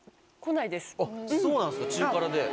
そうなんですか中辛で。